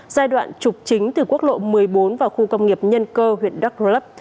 giai đoạn trục chính từ quốc lộ một mươi bốn vào khu công nghiệp nhân cơ huyện đắk rơ lấp